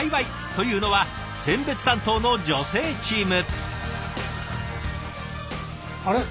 というのは選別担当の女性チーム。